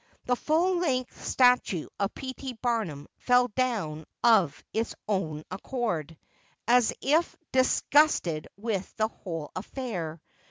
The full length statue of P. T. Barnum fell down of its own accord, as if disgusted with the whole affair.